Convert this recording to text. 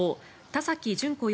田崎淳子